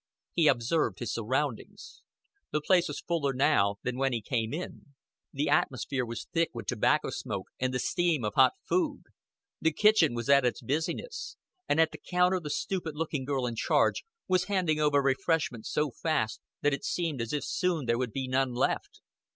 He observed his surroundings. The place was fuller now than when he came in; the atmosphere was thick with tobacco smoke and the steam of hot food; the kitchen was at its busiest; and at the counter the stupid looking girl in charge was handing over refreshments so fast that it seemed as if soon there would be none left.